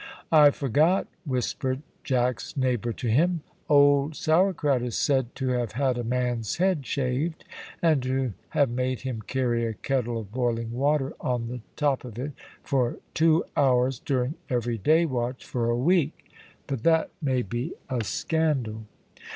"I forgot," whispered Jack's neighbour to him. "Old Sourcrout is said to have had a man's head shaved, and to have made him carry a kettle of boiling water on the top of it for two hours during every day watch for a week, but that may be scandal."